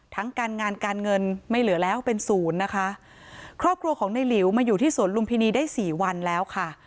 การงานการเงินไม่เหลือแล้วเป็นศูนย์นะคะครอบครัวของในหลิวมาอยู่ที่สวนลุมพินีได้สี่วันแล้วค่ะ